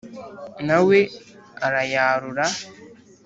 na we arayarura ,